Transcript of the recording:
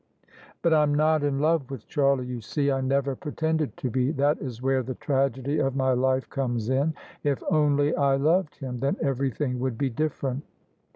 " But I'm not in love with Charlie, you see. I never pretended to be. That is where the tragedy of my life comes in. If only I loved him, then everything would be different."